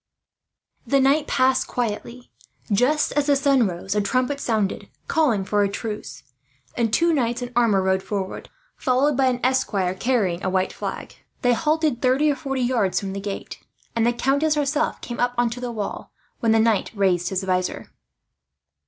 The night passed quietly. Just as the sun rose a trumpet sounded, calling for a truce; and two knights in armour rode forward, followed by an esquire carrying a white flag. They halted thirty or forty yards from the gate; and the countess herself came up on to the wall, when the knight raised his vizor.